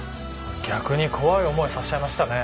逆に怖い思いさせちゃいましたね。